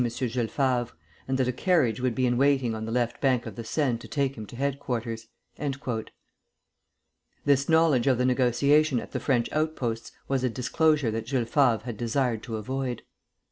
Jules Favre, and that a carriage would be in waiting on the left bank of the Seine to take him to headquarters." This knowledge of the negotiation at the French outposts was a disclosure that Jules Favre had desired to avoid.